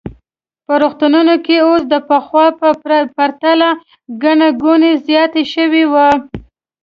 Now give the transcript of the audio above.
په روغتون کې اوس د پخوا په پرتله ګڼه ګوڼه زیاته شوې وه.